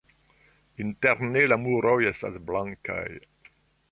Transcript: Interne la muroj estas blankaj.